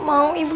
ibu gak mau ibu